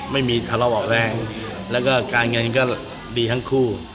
ไม่มีทะเลาะเบาะแรงแล้วก็การเงินก็ดีทั้งคู่